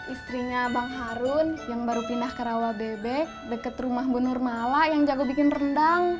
istrinya bang harun yang baru pindah ke rawa bebek dekat rumah bu nurmala yang jago bikin rendang